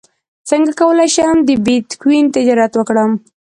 څنګه کولی شم د بیتکوین تجارت وکړم